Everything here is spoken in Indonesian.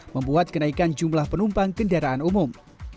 membuat kenaikan jumlah penumpang kendaraan umum